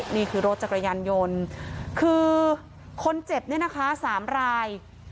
นี่คือรถจักรยานยนต์คือคนเจ็บเนี่ยนะคะ๓ราย